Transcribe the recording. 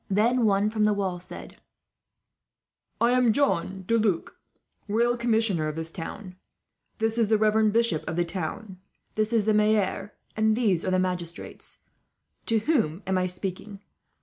Then one from the wall said: "I am John De Luc, royal commissioner of this town. This is the reverend bishop of the town. This is the maire, and these the magistrates. To whom am I speaking?"